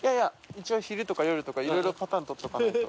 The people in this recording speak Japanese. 一応昼とか夜とかい蹐いパターン撮っておかないと。